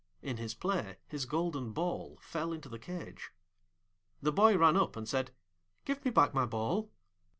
In his play his golden ball fell into the cage. The boy ran up, and said, 'Give me back my ball.'